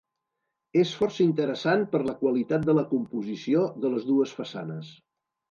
És força interessant per la qualitat de la composició de les dues façanes.